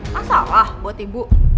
masalah buat ibu